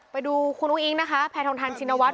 ไปดูคุณอุ๊ยอิงนะคะแพนครองทานจิ่มนวัสต์